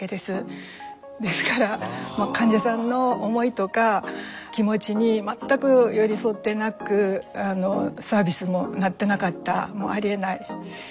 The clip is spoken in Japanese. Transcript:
ですから患者さんの思いとか気持ちに全く寄り添ってなくサービスもなってなかったもうありえないことだったと思います。